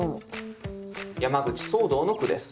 山口草堂の句です。